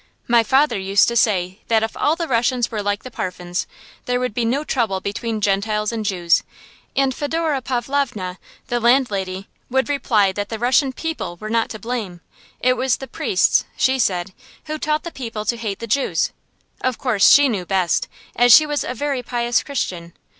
My father used to say that if all the Russians were like the Parphens, there would be no trouble between Gentiles and Jews; and Fedora Pavlovna, the landlady, would reply that the Russian people were not to blame. It was the priests, she said, who taught the people to hate the Jews. Of course she knew best, as she was a very pious Christian.